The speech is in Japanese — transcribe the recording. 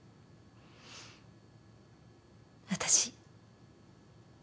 私。